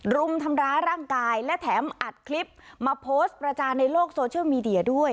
รุมทำร้ายร่างกายและแถมอัดคลิปมาโพสต์ประจานในโลกโซเชียลมีเดียด้วย